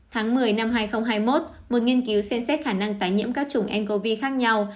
tháng một mươi năm hai nghìn hai mươi một một nghiên cứu xem xét khả năng tái nhiễm các chủng ncov khác nhau